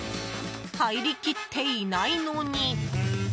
入りきっていないのに。